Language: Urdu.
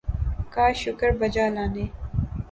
کا شکر بجا لانے